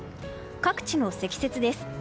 各地の積雪です。